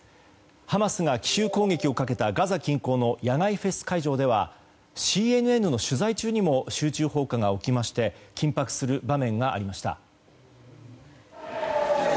ハマスが奇襲攻撃をかけたガザ近郊の野外フェス会場ではＣＮＮの取材中にも集中砲火が起きまして緊迫する場面がありました。